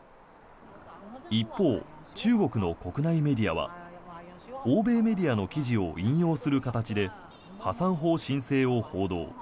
一方、中国の国内メディアは欧米メディアの記事を引用する形で破産法申請を報道。